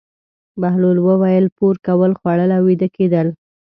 بهلول وویل: پور کول، خوړل او ویده کېدل.